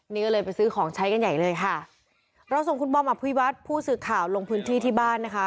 นี่ก็เลยไปซื้อของใช้กันใหญ่เลยค่ะเราส่งคุณบอมอภิวัตผู้สื่อข่าวลงพื้นที่ที่บ้านนะคะ